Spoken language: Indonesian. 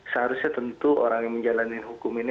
seharusnya tentu orang yang menjalani hukum ini